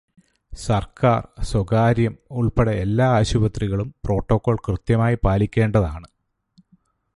സര്ക്കാര്, സ്വകാര്യം ഉള്പ്പെടെ എല്ലാ ആശുപത്രികളും പ്രോട്ടോകോള് കൃത്യമായി പാലിക്കേണ്ടതാണ്.